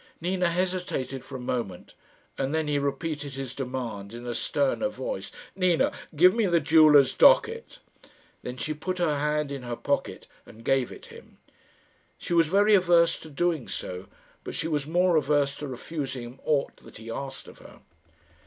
Nina hesitated for a moment, and then he repeated his demand in a sterner voice. "Nina, give me the jeweller's docket." Then she put her hand in her pocket and gave it him. She was very averse to doing so, but she was more averse to refusing him aught that he asked of her.